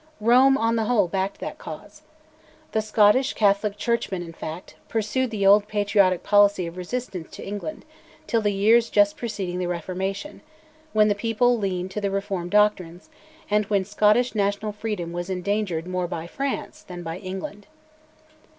Rome, on the whole, backed that cause. The Scottish Catholic churchmen, in fact, pursued the old patriotic policy of resistance to England till the years just preceding the Reformation, when the people leaned to the reformed doctrines, and when Scottish national freedom was endangered more by France than by England.